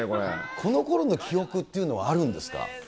このころの記憶いうのはあるんですか。